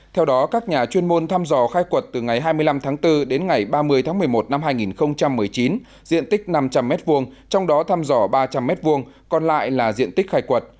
theo đó các nhà chuyên môn thăm dò khai quật từ ngày hai mươi năm tháng bốn đến ngày ba mươi tháng một mươi một năm hai nghìn một mươi chín diện tích năm trăm linh m hai trong đó thăm dò ba trăm linh m hai còn lại là diện tích khai quật